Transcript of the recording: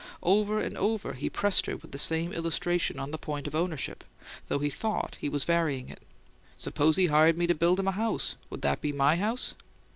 Over and over he pressed her with the same illustration, on the point of ownership, though he thought he was varying it. "Suppose he hired me to build him a house: would that be MY house?"